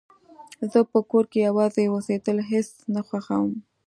زه په کور کې يوازې اوسيدل هيڅ نه خوښوم